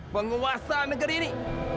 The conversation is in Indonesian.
penguasa negara ini